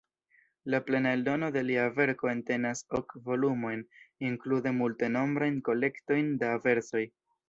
La plena eldono de lia verko entenas ok volumojn, inklude multenombrajn kolektojn da versoj.